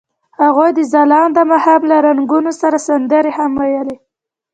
هغوی د ځلانده ماښام له رنګونو سره سندرې هم ویلې.